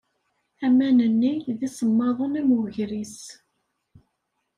Aman-nni d isemmaḍen am wegris.